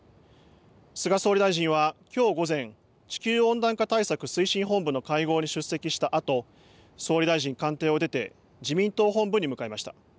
菅総理大臣はきょう午前、地球温暖化対策推進本部の会合に出席したあと総理大臣官邸を出て自民党本部に向かいました。